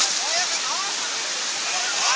โปรดติดตามตอนต่อไป